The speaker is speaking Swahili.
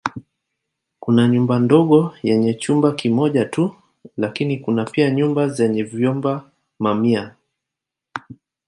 Kuna nyumba ndogo yenye chumba kimoja tu lakini kuna pia nyumba zenye vyumba mamia.